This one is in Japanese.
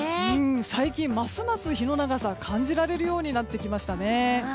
最近、ますます日の長さを感じられるようになってきましたね。